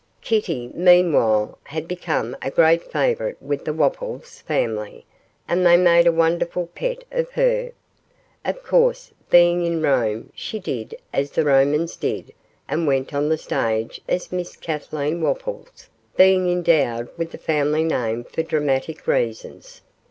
Kitty, meanwhile, had become a great favourite with the Wopples family, and they made a wonderful pet of her. Of course, being in Rome, she did as the Romans did, and went on the stage as Miss Kathleen Wopples, being endowed with the family name for dramatic reasons.